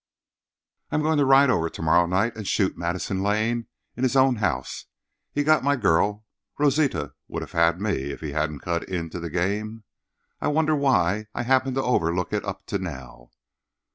I'm going to ride over to morrow night and shoot Madison Lane in his own house. He got my girl—Rosita would have had me if he hadn't cut into the game. I wonder why I happened to overlook it up to now?"